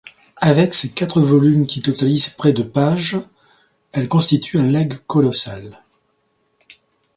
Avec ses quatre volumes qui totalisent près de pages, elle constitue un legs colossal.